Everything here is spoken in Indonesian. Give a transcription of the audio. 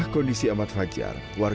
kondisi amat fajar